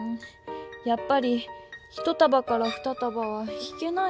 やっぱり１たばから２たばはひけないや。